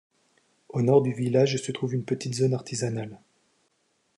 Au nord du village se trouve une petite zone artisanale.